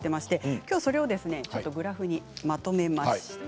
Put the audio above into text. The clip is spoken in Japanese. きょうはそれをグラフにまとめました。